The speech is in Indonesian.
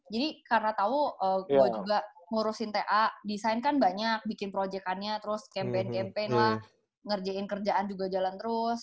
jadi karena tau gue juga ngurusin ta desain kan banyak bikin project annya terus campaign campaign lah ngerjain kerjaan juga jalan terus